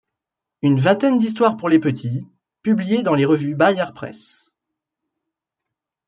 Une vingtaine d'histoires pour les petits, publiées dans les revues Bayard Presse.